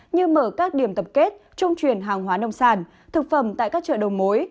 như mở các điểm tập kết trung chuyển hàng hóa nông sản thực phẩm tại các chợ đầu mối